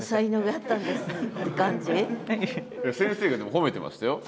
先生がでも褒めてましたよ。